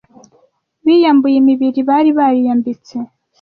Biyambuye imibiri bari bariyambitse